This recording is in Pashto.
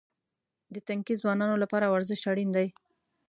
د تنکي ځوانانو لپاره ورزش اړین دی.